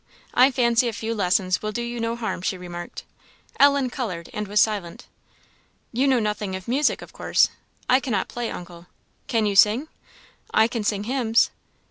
I fancy a few lessons will do you no harm," she remarked. Ellen coloured and was silent. "You know nothing of music, of course?" "I cannot play, uncle." "Can you sing?" "I can sing hymns."